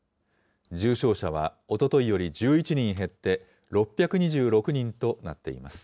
重症者はおとといより１１人減って、６２６人となっています。